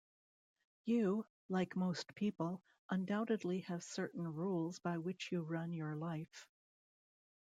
You, like most people, undoubtedly have certain rules by which you run your life.